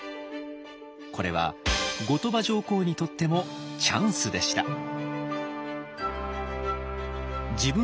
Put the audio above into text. これは後鳥羽上皇にとってもチャンスでした。